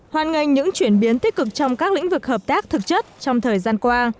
hoan nghênh những chuyển biến tích cực trong các lĩnh vực hợp tác thực chất trong thời gian qua